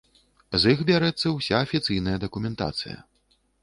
З іх бярэцца ўся афіцыйная дакументацыя.